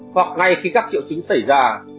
hoặc ngay khi các triệu chứng xảy ra